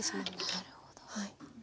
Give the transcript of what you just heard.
なるほど。